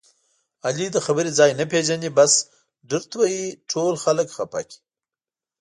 علي د خبرې ځای نه پېژني بس ډرت وهي ټول خلک خپه کړي.